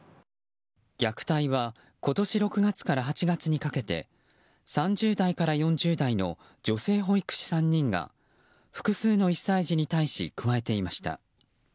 虐待は今年６月から８月にかけて３０代から４０代の女性保育士３人が複数の１歳児に対し加えていました。